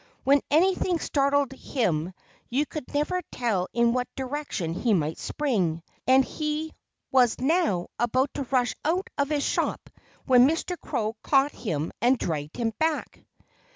When anything startled him you could never tell in what direction he might spring. And he was now about to rush out of his shop when Mr. Crow caught him and dragged him back.